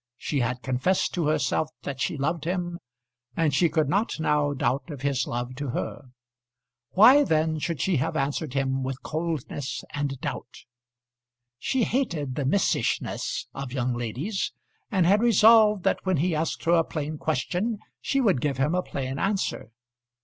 She had confessed to herself that she loved him, and she could not now doubt of his love to her. Why then should she have answered him with coldness and doubt? She hated the missishness of young ladies, and had resolved that when he asked her a plain question she would give him a plain answer.